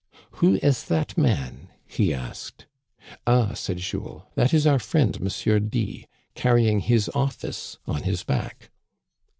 Who is that man.? " he asked. " Ah," said Jules, " that is our friend, M. D , car rying his office on his back."